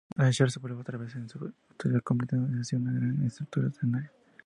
El Scherzo vuelve otra vez en su totalidad, completando así una gran estructura ternaria.